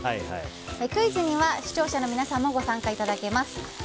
クイズには視聴者の皆さんもご参加いただけます。